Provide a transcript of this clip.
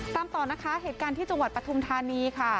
ตามต่อนะคะเหตุการณ์ที่จังหวัดปฐุมธานีค่ะ